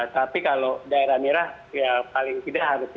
tapi kalau daerah merah paling tidak harusnya lima puluh